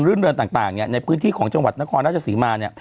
รื่นเรือนต่างเนี่ย